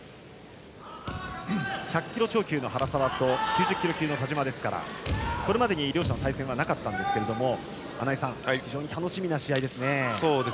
１００キロ超級の原沢と９０キロ級の田嶋ですからこれまで両者の対戦はなかったんですが穴井さん、非常に楽しみな試合ですね。